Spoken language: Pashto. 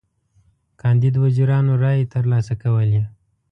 کاندید وزیرانو رایی تر لاسه کولې.